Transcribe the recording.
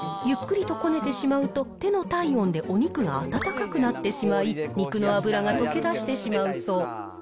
ゆっくりとこねてしまうと、手の体温でお肉が温かくなってしまい、肉の脂が溶けだしてしまうそう。